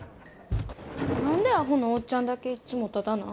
何でアホのおっちゃんだけいつもタダなん？